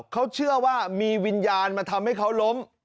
เขาเชื่อว่ามีวิญญาณมาทำให้เขาล้ม